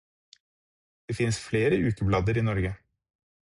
Det finnes flere ukeblader i Norge.